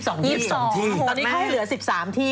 ตอนนี้เขาให้เหลือ๑๓ที่